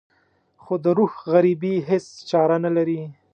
خو د روح غريبي هېڅ چاره نه لري.